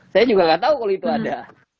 saya juga nggak tahu kalau itu ada